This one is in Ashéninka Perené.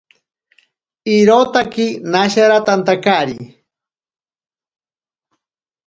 Irotaki nasharantantakari.